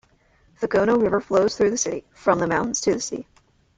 The Gono River flows through the city, from the mountains to the sea.